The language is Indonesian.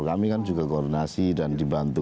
kami kan juga koordinasi dan dibantu